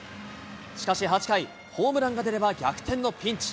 しかし８回、ホームランが出れば逆転のピンチ。